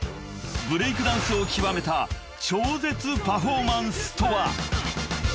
［ブレークダンスを極めた超絶パフォーマンスとは？］